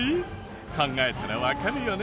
考えたらわかるよね？